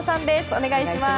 お願いします。